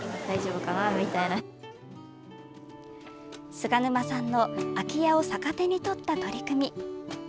菅沼さんの空き家を逆手にとった取り組み。